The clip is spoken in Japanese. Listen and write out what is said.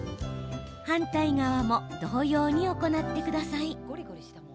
反対側も同様に行ってください。